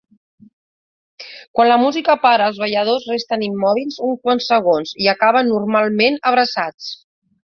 Quan la música para, els balladors resten immòbils uns quants segons i acaben normalment abraçats.